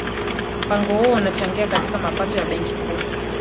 mpango huo unachangia katika mapato ya benki kuu